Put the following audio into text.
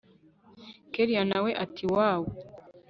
kellia nawe ati wooowww